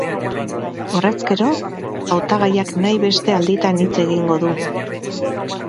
Horrezkero, hautagaiak nahi beste alditan hitz egingo du.